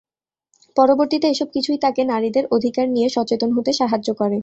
পরবর্তীতে এসব কিছুই তাকে নারীদের অধিকার নিয়ে সচেতন হতে সাহায্য করে।